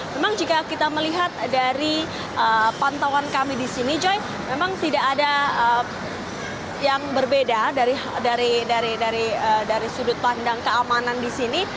memang jika kita melihat dari pantauan kami di sini joy memang tidak ada yang berbeda dari sudut pandang keamanan di sini